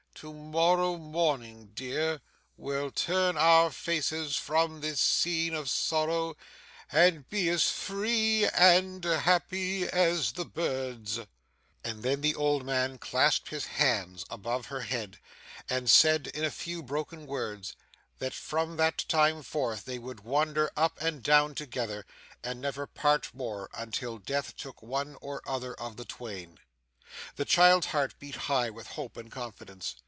To morrow morning, dear, we'll turn our faces from this scene of sorrow, and be as free and happy as the birds.' And then the old man clasped his hands above her head, and said, in a few broken words, that from that time forth they would wander up and down together, and never part more until Death took one or other of the twain. The child's heart beat high with hope and confidence.